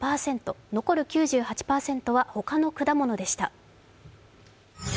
残る９８％は他の果物でした。